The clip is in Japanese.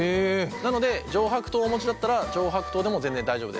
なので上白糖をお持ちだったら上白糖でも全然大丈夫です。